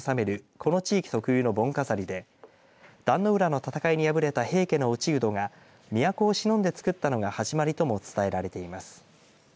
この地域特有の盆飾りで壇ノ浦の戦いに敗れた平家の落人が都をしのんで作ったのが始まりとも伝えられています。